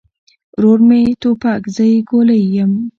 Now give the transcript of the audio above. ورور مې توپک، زه يې ګولۍ يم